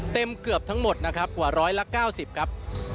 เกือบทั้งหมดนะครับกว่าร้อยละ๙๐ครับ